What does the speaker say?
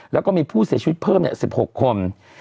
แล้วก็มีผู้เสียชีวิตเพิ่ม๑๖คน